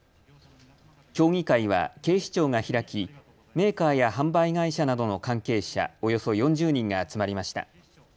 協議会は警視庁が開きメーカーや販売会社などの関係者、およそ４０人が集まりました。